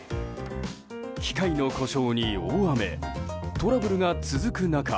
機械の故障に大雨トラブルが続く中